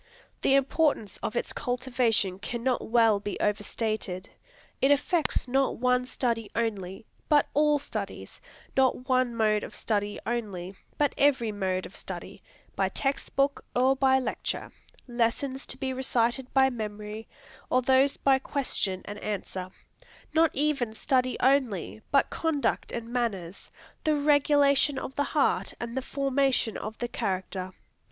The importance of its cultivation cannot well be over stated. It affects not one study only, but all studies; not one mode of study only, but every mode of study, by text book or by lecture; lessons to be recited by memory, or those by question and answer; not even study only, but conduct and manners, the regulation of the heart and the formation of the character.